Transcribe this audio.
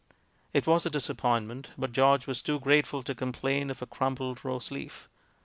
It was a disappointment, but George was too grateful to complain of a crumpled rose leaf.